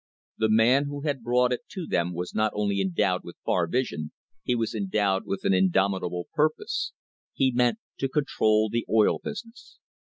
The man who had brought it to them was not only endowed with far vision, he was endowed with an indomitable purpose. He meant to con trol the oil business.